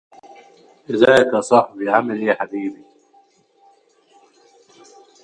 Typically a device driver, linked to the operating system, controls the host adapter itself.